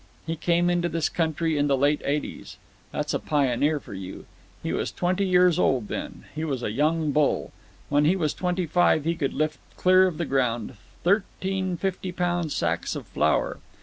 He came into this country in the late eighties—that's a pioneer for you. He was twenty years old then. He was a young bull. When he was twenty five he could lift clear of the ground thirteen fifty pound sacks of flour.